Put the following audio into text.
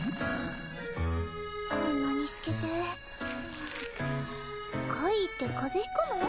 こんなに透けて怪異って風邪ひくの？